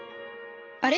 あれ？